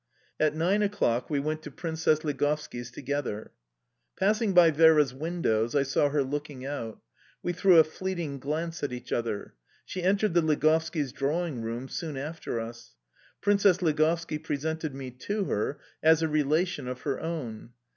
At nine o'clock we went to Princess Ligovski's together. Passing by Vera's windows, I saw her looking out. We threw a fleeting glance at each other. She entered the Ligovskis' drawing room soon after us. Princess Ligovski presented me to her, as a relation of her own.